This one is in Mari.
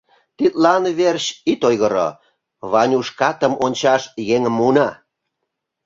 — Тидлан верч ит ойгыро, Ванюшкатым ончаш еҥым муына.